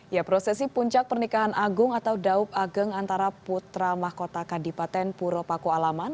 ya prosesi puncak pernikahan agung atau daub ageng antara putra mahkota kadipaten puro pakualaman